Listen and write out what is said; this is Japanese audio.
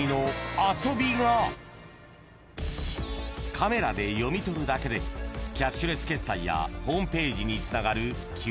［カメラで読み取るだけでキャッシュレス決済やホームページにつながる］